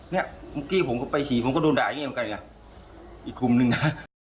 เนี่ยเมื่อกี้ผมก็ไปฉีกผมก็โดนด่ายังงี้เหมือนกันเนี่ยอีกกลุ่มหนึ่งนะ